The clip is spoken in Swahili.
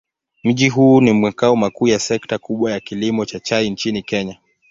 Mji huu ni makao makuu ya sekta kubwa ya kilimo cha chai nchini Kenya.